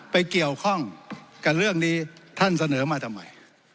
ไปเกี่ยวข้องกับเรื่องนี้ท่านเสนอมาทำไม